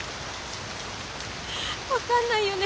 分かんないよね